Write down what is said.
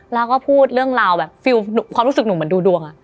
แล้วก็พูดเรื่องราวแบบฟิลความรู้สึกหนูเหมือนดูดวง